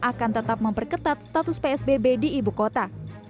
akan tetap memperketat status psbb di ibu kota